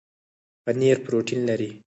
پنیر پروټین لري